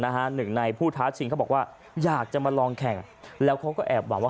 หนึ่งในผู้ท้าชิงเขาบอกว่าอยากจะมาลองแข่งแล้วเขาก็แอบหวังว่า